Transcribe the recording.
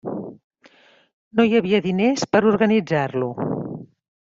No hi havia diners per organitzar-lo.